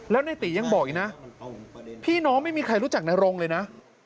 แล้วในตียังบอกอีกนะพี่น้องไม่มีใครรู้จักนรงเลยนะ